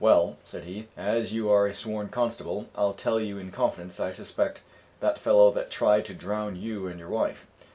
"Well," said he, "as you are a sworn constable, I'll tell you in confidence that I suspect that fellow that tried to drown you and your wife.